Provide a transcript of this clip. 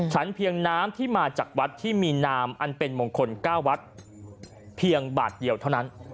เพียงน้ำที่มาจากวัดที่มีนามอันเป็นมงคล๙วัดเพียงบาทเดียวเท่านั้น